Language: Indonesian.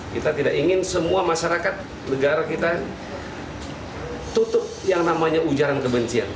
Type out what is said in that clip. kita tidak ingin semua masyarakat negara kita tutup yang namanya ujaran kebencian